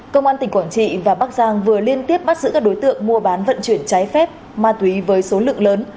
công an tỉnh quảng trị và bắc giang vừa liên tiếp bắt giữ các đối tượng mua bán vận chuyển trái phép ma túy với số lượng lớn